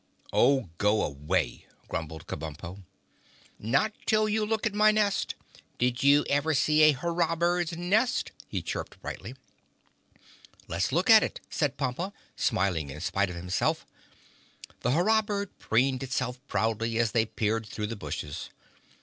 "Oh, go away," grumbled Kabumpo. "Not till you look at my nest. Did you ever see a Hurrah Bird's nest?" he chirped brightly. "Let's look at it," said Pompa, smiling in spite of himself. The Hurrah Bird preened itself proudly as they peered through the bushes.